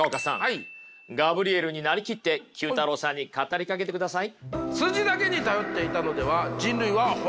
ガブリエルに成りきって９太郎さんに語りかけてください。